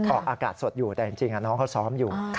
ออกอากาศสดอยู่แต่จริงน้องเขาซ้อมอยู่